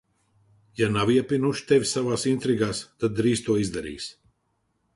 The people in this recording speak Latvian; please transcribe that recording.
Ja nav iepinuši tevi savās intrigās, tad drīz to izdarīs.